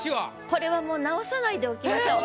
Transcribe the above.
これはもう直さないでおきましょう。